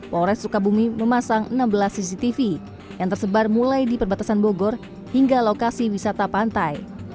polres sukabumi memasang enam belas cctv yang tersebar mulai di perbatasan bogor hingga lokasi wisata pantai